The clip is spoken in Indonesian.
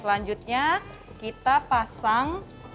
selanjutnya kita pasang